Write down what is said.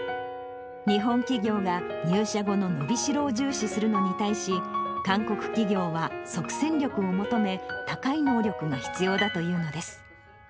日本企業が、入社後の伸びしろを重視するのに対し、韓国企業は即戦力を求め、高い能力が必要だというのです。